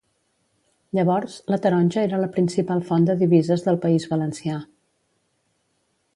Llavors la taronja era la principal font de divises del País Valencià.